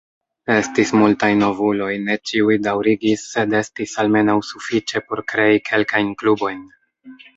Estis multaj novuloj, ne ĉiuj daŭrigis, sed estis almenaŭ sufiĉe por krei kelkajn klubojn.